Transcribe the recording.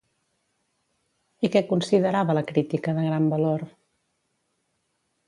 I què considerava la crítica de gran valor?